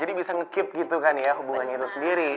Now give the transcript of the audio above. jadi bisa ngekeep gitu kan ya hubungannya itu sendiri